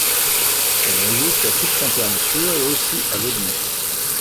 Elle résiste à toutes températures et aussi à l'eau de mer.